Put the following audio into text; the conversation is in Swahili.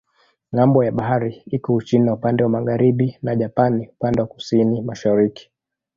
Ng'ambo ya bahari iko Uchina upande wa magharibi na Japani upande wa kusini-mashariki.